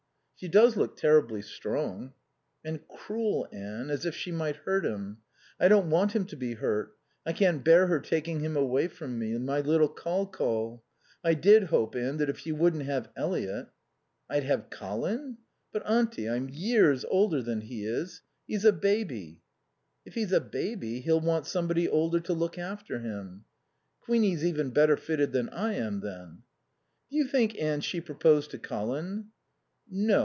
"She does look terribly strong." "And cruel, Anne, as if she might hurt him. I don't want him to be hurt. I can't bear her taking him away from me. My little Col Col....I did hope, Anne, that if you wouldn't have Eliot " "I'd have Colin? But Auntie, I'm years older than he is. He's a baby." "If he's a baby he'll want somebody older to look after him." "Queenie's even better fitted than I am, then." "Do you think, Anne, she proposed to Colin?" "No.